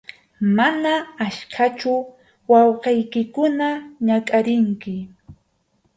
Mana achkachu wawqiykikuna ñakʼarinki.